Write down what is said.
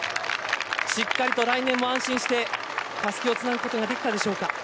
しっかりと来年も安心してたすきをつなぐことができたでしょうか。